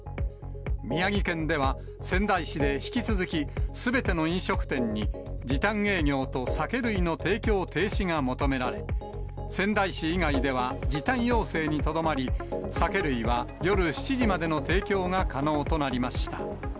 宮城県では、仙台市で引き続き、すべての飲食店に時短営業と酒類の提供停止が求められ、仙台市以外では時短要請にとどまり、酒類は夜７時までの提供が可能となりました。